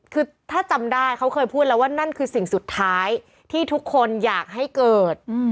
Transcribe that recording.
คือถ้าจำได้เขาเคยพูดแล้วว่านั่นคือสิ่งสุดท้ายที่ทุกคนอยากให้เกิด